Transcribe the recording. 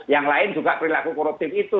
yang lain juga perilaku koruptif itu